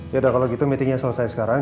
ya udah kalau gitu meetingnya selesai sekarang